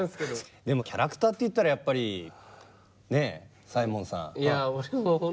でもキャラクターっていったらやっぱりねっ左衛門さん。